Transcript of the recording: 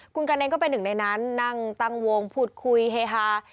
คุณกันเองก็เป็นหนึ่งในนั้นนั่งตั้งวงพูดคุยเฮฮา